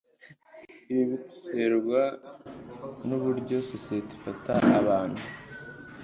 ibi biterwa nu buryo sosiyete ifata abantu